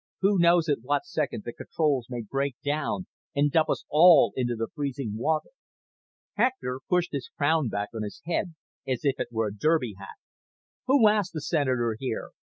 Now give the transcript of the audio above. Who knows at what second the controls may break down and dump us all into the freezing water?" Hector pushed his crown back on his head as if it were a derby hat. "Who asked the Senator here?